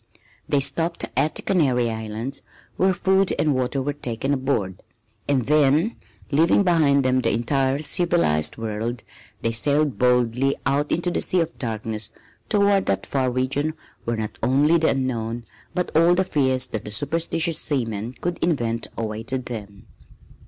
They stopped at the Canary Islands, where food and water were taken aboard, and then, leaving behind them the entire civilized world, they sailed boldly out into the Sea of Darkness toward that far region where not only the Unknown but all the fears that superstitious seamen could invent awaited them.